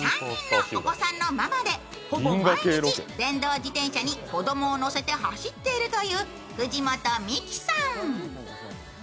３人のお子さんのママで、ほぼ毎日電動自転車に子供を乗せて走っているという藤本美貴さん。